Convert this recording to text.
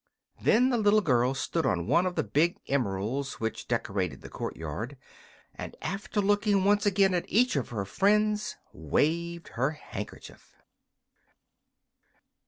Then the little girl stood on one of the big emeralds which decorated the courtyard, and after looking once again at each of her friends, waved her handkerchief.